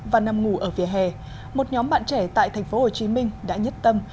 và nằm ngủ ở vỉa hè một nhóm bạn trẻ tại thành phố hồ chí minh đã nhất tâm